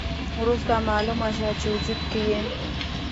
وروسته مالومه شوه چې وجود کې یې